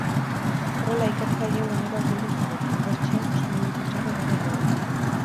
Horrela, ikertzaileen lanera hurbildu zarete, inbertsioak oso momentu txarra igaro duenean.